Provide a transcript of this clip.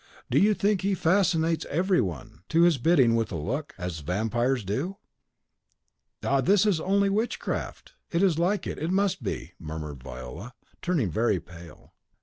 How do you think he fascinates every one to his bidding with a look, as the vampires do?" "Ah, is this only witchcraft? It is like it, it must be!" murmured Viola, turning very pale.